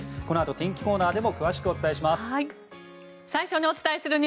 このあと天気コーナーでも詳しくお伝えします。